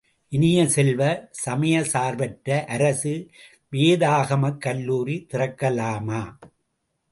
இனிய செல்வ, சமயச்சார்பற்ற அரசு வேதாகமக் கல்லூரி திறக்கலாமா?